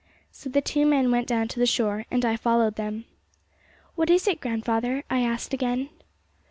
So the two men went down to the shore, and I followed them. 'What is it, grandfather?' I asked again.